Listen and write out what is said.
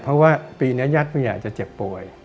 เพราะว่าปีนี้ญาติผู้ใหญ่จะเจ็บป่วย